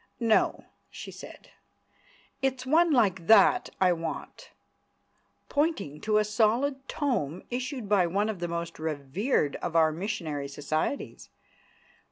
"No," she said, "it's one like that I want," pointing to a solid tome issued by one of the most revered of our missionary societies.